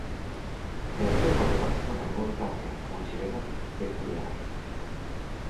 E o mellor gol do partido marcouno Tapia cunha chilena peculiar.